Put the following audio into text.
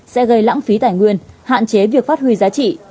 sẽ gây lãng phí tài nguyên hạn chế việc phát huy giá trị